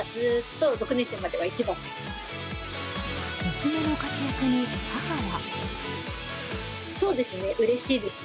娘の活躍に母は。